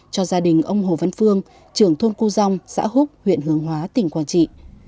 cho gia đình ông hồ văn phương trưởng thôn cô dông xã húc huyện hướng hóa tỉnh quảng trị